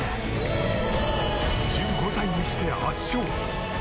１５歳にして圧勝。